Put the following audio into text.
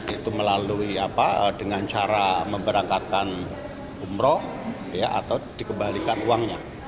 itu melalui apa dengan cara memberangkatkan umroh atau dikembalikan uangnya